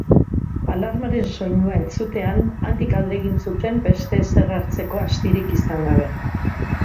Alarmaren soinua entzutean handik alde egin zuten beste ezer hartzeko astirik izan gabe.